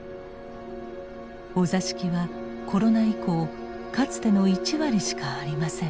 お座敷はコロナ以降かつての１割しかありません。